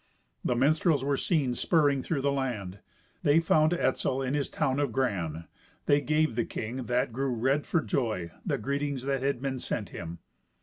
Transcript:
The minstrels were seen spurring through the land. They found Etzel in his town of Gran. They gave the king, that grew red for joy, the greetings that had been sent him.